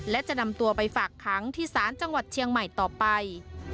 และจะนำตัวไปฝากขังที่ศาลจังหวัดเชียงใหม่ต่อไป